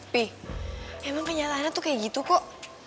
pih emang kenyataannya tuh kayak gitu kok